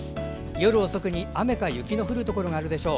夜遅くに雨か雪の降るところがあるでしょう。